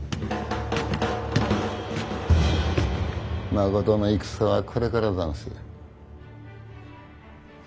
まことの戦はこれからざんすよ。